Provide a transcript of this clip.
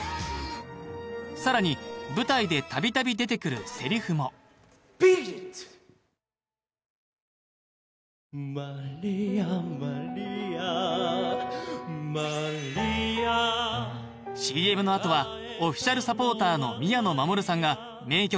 さらに舞台でたびたび出てくるセリフもマリアマリアマリアＣＭのあとはオフィシャルサポーターの宮野真守さんが名曲